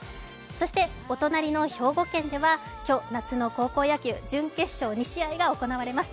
そしてお隣の兵庫県では、今日、夏の高校野球準決勝２試合が行われます。